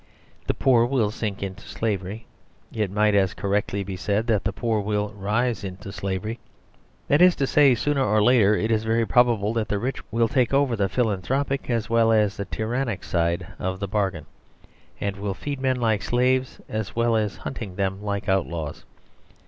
The poor will sink into slavery; it might as correctly be said that the poor will rise into slavery. That is to say, sooner or later, it is very probable that the rich will take over the philanthropic as well as the tyrannic side of the bargain; and will feed men like slaves as well as hunting them like outlaws.